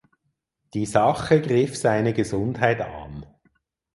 Die Sache griff seine Gesundheit an.